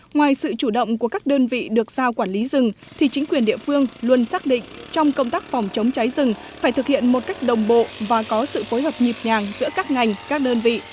ngoài sự chủ động của các đơn vị được giao quản lý rừng thì chính quyền địa phương luôn xác định trong công tác phòng chống cháy rừng phải thực hiện một cách đồng bộ và có sự phối hợp nhịp nhàng giữa các ngành các đơn vị